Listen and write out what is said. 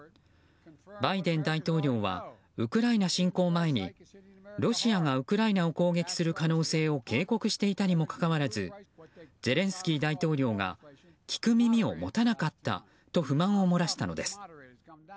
バイデン大統領はウクライナ侵攻前にロシアがウクライナを攻撃する可能性を警告していたにもかかわらずゼレンスキー大統領が聞く耳を持たなかったと不満を漏らしたのです。